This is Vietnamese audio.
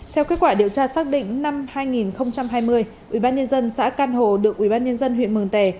theo kết quả điều tra xác định năm hai nghìn hai mươi ubnd xã can hồ được ubnd huyện mường tè